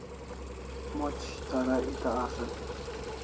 Moch tara eta asan